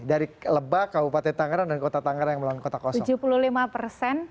dari lebak kabupaten tangerang dan kota tangerang yang melawan kota kosong